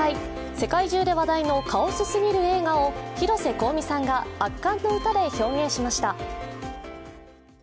世界中で話題のカオスすぎる映画を広瀬香美さんが圧巻の歌で披露しました。